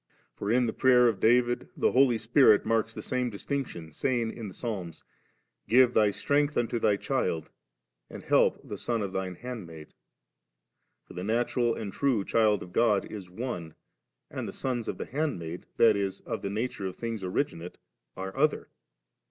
For in the prayer of David the Holy Spirit marks die same distinction, saying in the Psalms, 'Give Thy strength unto Thy Child, and help the Son of Thine handmaid^,' For the natural and true child of God is one, and the sons of the handmaid, that is, of the nature of Uiings originate, are other.